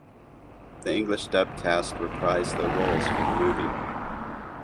The English dub cast reprised their roles for the movie.